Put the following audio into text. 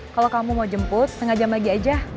kalau kamu mau jemput sengaja bagi aja